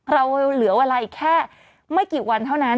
เราเหลือเวลาอีกแค่ไม่กี่วันเท่านั้น